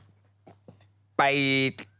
เขาไปไหนนะ